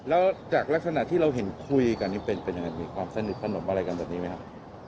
แล้วจากลักษณะที่เราเห็นคุยกันนี่เป็นยังไงมีความสนิทสนมอะไรกันแบบนี้ไหมครับ